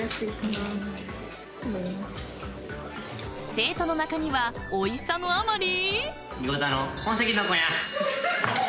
［生徒の中にはおいしさのあまり］